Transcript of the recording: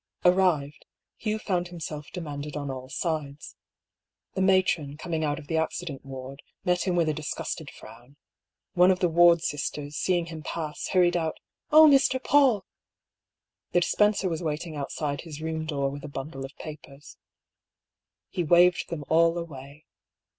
Arrived, Hugh found himself demanded on all sides. The matron, coming out of the accident ward, met him with a disgusted frown ; one of the ward Sisters, seeing him pass, hurried out, " Oh, Mr. Paull !" The dispenser was waiting outside his room door with a bundle of papers. He waved them all away.